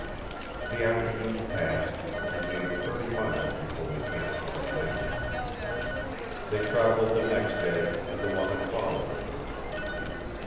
The afternoon passed, and they made thirty miles before they camped for the night. They traveled the next day, and the one that followed.